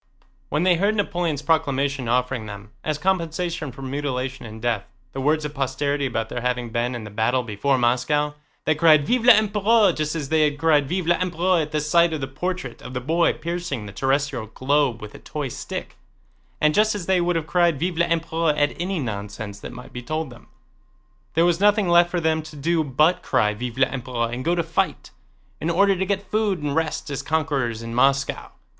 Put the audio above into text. When they heard Napoleon's proclamation offering them, as compensation for mutilation and death, the words of posterity about their having been in the battle before Moscow, they cried "Vive l'Empereur!" just as they had cried "Vive l'Empereur!" at the sight of the portrait of the boy piercing the terrestrial globe with a toy stick, and just as they would have cried "Vive l'Empereur!" at any nonsense that might be told them. There was nothing left for them to do but cry "Vive l'Empereur!" and go to fight, in order to get food and rest as conquerors in Moscow.